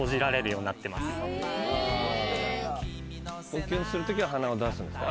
呼吸するときは鼻を出すんですか？